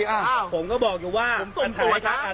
ผมก็บอกอยู่ว่า